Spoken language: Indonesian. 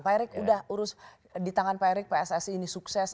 pak erick udah urus di tangan pak erik pssi ini sukses